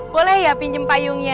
boleh ya pinjem payungnya